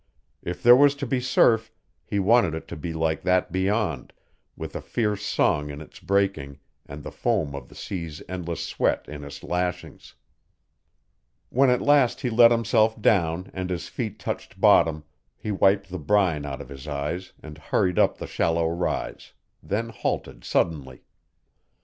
If there was to be surf, he wanted it to be like that beyond, with a fierce song in its breaking and the foam of the sea's endless sweat in its lashings. When at last he let himself down and his feet touched bottom, he wiped the brine out of his eyes and hurried up the shallow rise then halted suddenly.